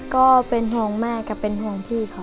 ก็เป็นห่วงแม่กับเป็นห่วงพี่เขา